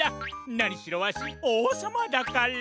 なにしろわしおうさまだから！